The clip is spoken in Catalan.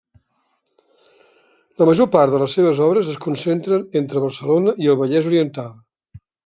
La major part de les seves obres es concentren entre Barcelona i el Vallès Oriental.